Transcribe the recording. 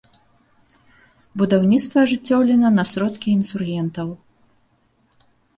Будаўніцтва ажыццёўлена на сродкі інсургентаў.